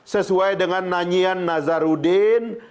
sesuai dengan nanyian nazarudin